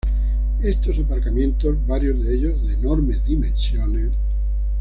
Estos aparcamientos, varios de ellos de enormes dimensiones